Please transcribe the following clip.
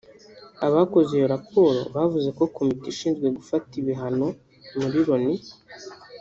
Abakoze iyo raporo bavuze ko komite ishinzwe gufata ibihano muri Loni